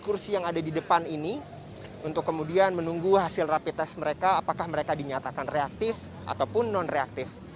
kursi yang ada di depan ini untuk kemudian menunggu hasil rapid test mereka apakah mereka dinyatakan reaktif ataupun non reaktif